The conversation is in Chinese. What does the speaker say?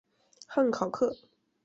汉考克。